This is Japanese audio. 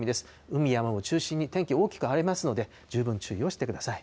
海、山を中心に天気、大きく荒れますので、十分注意をしてください。